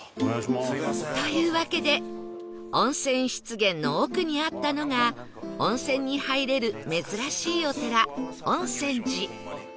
というわけで温泉湿原の奥にあったのが温泉に入れる珍しいお寺温泉寺